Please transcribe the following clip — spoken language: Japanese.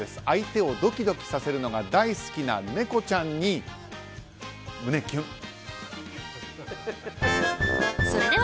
相手をドキドキさせるのが大好きな猫ちゃんに胸キュン。